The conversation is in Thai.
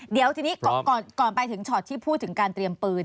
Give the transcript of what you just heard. เดี๋ยวทีนี้ก่อนไปถึงช็อตที่พูดถึงการเตรียมปืน